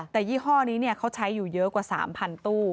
แต่ยี่ห้อนี้เขาใช้อยู่เยอะกว่า๓๐๐ตู้